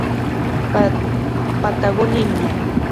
Patagonia India".